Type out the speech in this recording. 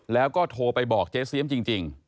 แล้วก็โทรไปบอกเจ๊เสียมจริง